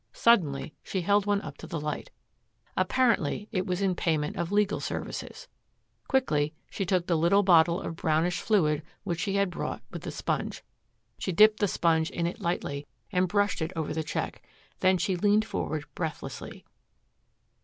Suddenly she held one up to the light. Apparently it was in payment of legal services. Quickly she took the little bottle of brownish fluid which she had brought with the sponge. She dipped the sponge in it lightly and brushed it over the check. Then she leaned forward breathlessly.